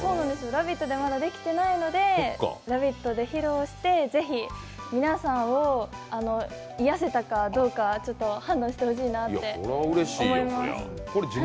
「ラヴィット！」ではまだできていないので「ラヴィット！」で披露して、ぜひ皆さんを癒やせたかどうか判断してほしいなって思います。